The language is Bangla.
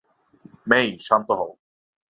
মেই, শান্ত হও!